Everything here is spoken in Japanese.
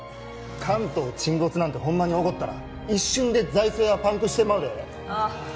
関東沈没なんてホンマに起こったら一瞬で財政はパンクしてまうであ